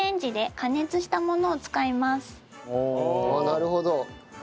なるほど。